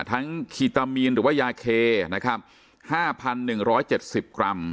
ทั้งคีตามีนหรือว่ายาเคนะครับห้าพันหนึ่งร้อยเจ็ดสิบกรัม